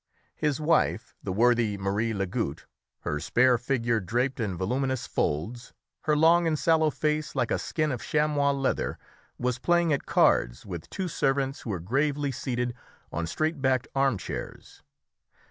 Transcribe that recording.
His wife, the worthy Marie Lagoutte, her spare figure draped in voluminous folds, her long and sallow face like a skin of chamois leather, was playing at cards with two servants who were gravely seated on straight backed arm chairs.